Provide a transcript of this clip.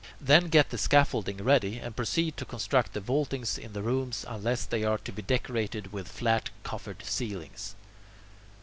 Then get the scaffolding ready, and proceed to construct the vaultings in the rooms, unless they are to be decorated with flat coffered ceilings.